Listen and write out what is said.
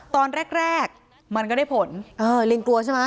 ตอนแรกแรกมันก็ได้ผลเออลิงกลัวใช่ไหม